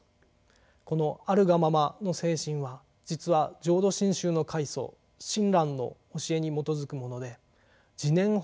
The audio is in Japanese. この「あるがまま」の精神は実は浄土真宗の開祖親鸞の教えに基づくもので「自然法爾」といいます。